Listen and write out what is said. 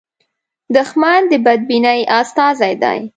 دښمن د بدبینۍ استازی دی